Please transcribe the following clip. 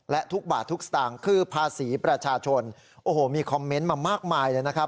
และทุกบาททุกสตางค์คือภาษีประชาชนโอ้โหมีคอมเมนต์มามากมายเลยนะครับ